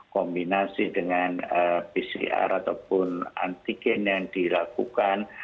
kombinasi dengan pcr ataupun antigen yang dilakukan